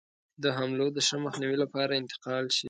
د حملو د ښه مخنیوي لپاره انتقال شي.